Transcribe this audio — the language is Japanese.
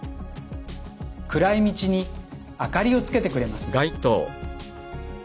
暗い道にあかりをつけてくれます。